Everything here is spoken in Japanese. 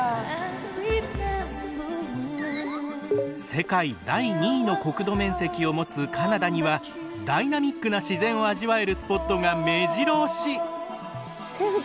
世界第２位の国土面積を持つカナダにはダイナミックな自然を味わえるスポットがめじろ押し！